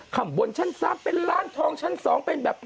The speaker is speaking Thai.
บนชั้น๓เป็นร้านทองชั้น๒เป็นแบบ